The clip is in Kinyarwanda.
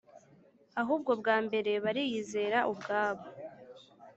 Ahubwo, bwa mbere bariyizera ubwabo